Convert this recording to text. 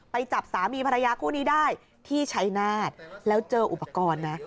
จับสามีภรรยาคู่นี้ได้ที่ชัยนาธแล้วเจออุปกรณ์นะ